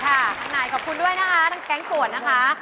ไหนขอบคุณด้วยนะคะทั้งแก๊งขวดนะคะ